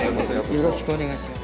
よろしくお願いします。